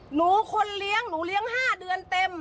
หนูคนเลี้ยงหนูเลี้ยง๕เดือนเต็ม